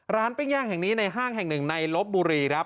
ปิ้งย่างแห่งนี้ในห้างแห่งหนึ่งในลบบุรีครับ